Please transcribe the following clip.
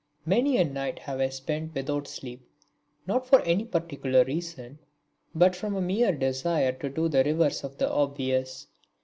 Many a night have I spent without sleep, not for any particular reason but from a mere desire to do the reverse of the obvious.